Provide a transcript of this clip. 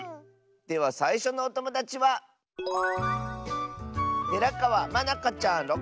ではさいしょのおともだちはまなかちゃんの。